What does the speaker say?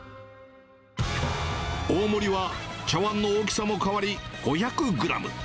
大盛りは茶わんの大きさも変わり、５００グラム。